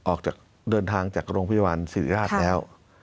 ออกจากเดินทางจากโรงพยาบาลศิริราชแล้ว